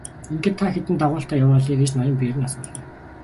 Ингэхэд та хэдэн дагуултай яваа билээ гэж ноён Берн асуулаа.